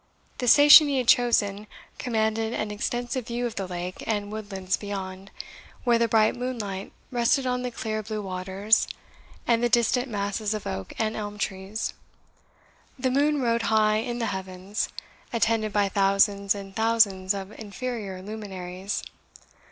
The station he had chosen commanded an extensive view of the lake and woodlands beyond, where the bright moonlight rested on the clear blue waters and the distant masses of oak and elm trees. The moon rode high in the heavens, attended by thousands and thousands of inferior luminaries.